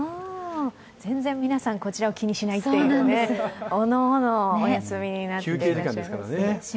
全然皆さんこちらを気にしないっていうところが、おのおのお休みになっていらっしゃる。